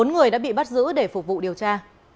một mươi bốn người đã bị bắt giữ để phục vụ điều tra